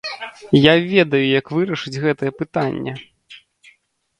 Я ведаю як вырашыць гэтае пытанне!